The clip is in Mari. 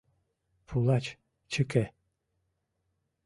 Пулач — чыке.